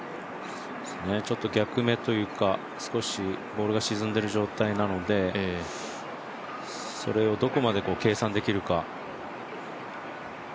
逆目というか、少しボールが沈んでる状態なのでそれをどこまで計算できるか。